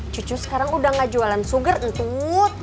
cucu sekarang udah gak jualan sugar ancut